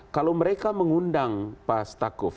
kalau mereka mengundang pak stakuf